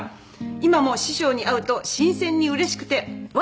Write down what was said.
「今も師匠に会うと新鮮にうれしくてうわ